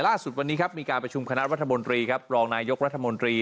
แต่ล่าสุดวันนี้มีการประชุมคณะรัฐบนตรีรองนายยกรัฐบนตรี